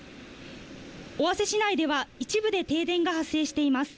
尾鷲市内では、一部で停電が発生しています。